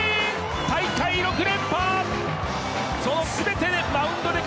大会６連覇！